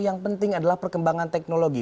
yang penting adalah perkembangan teknologi